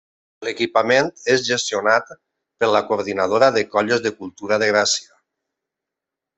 L’equipament és gestionat per la Coordinadora de colles de cultura de Gràcia.